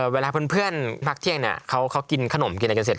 เวลาเพื่อนพักเที่ยงเนี่ยเขากินขนมกินอะไรกันเสร็จ